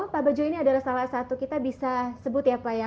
pak bajo ini adalah salah satu kita bisa sebut ya pak ya